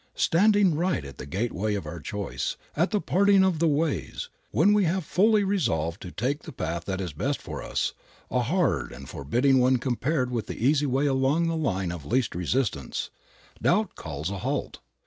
Standing right at the gateway of our choice, at the parting of the ways, when we have fully resolved to take the path that is best for us, a hard and forbidding one compared with the easy way along the line of least resistance, doubt calls a halt.